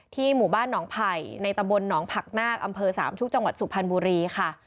หมู่บ้านหนองไผ่ในตำบลหนองผักนาคอำเภอสามชุกจังหวัดสุพรรณบุรีค่ะ